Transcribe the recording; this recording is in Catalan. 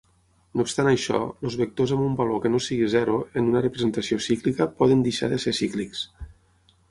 No obstant això, els vectors amb un valor que no sigui zero en una representació cíclica poden deixar de ser cíclics.